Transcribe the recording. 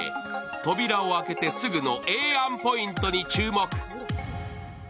扉を開けてすぐのええやんポイントに注目！